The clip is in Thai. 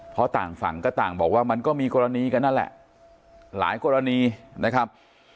เพราะต่างฝั่งก็ต่างบอกว่ามันก็มีกรณีกันนั่นแหละหลายกรณีนะครับ